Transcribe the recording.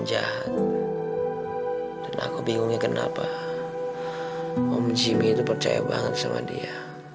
jahat dan aku bingungnya kenapa om jimmy itu percaya banget sama dia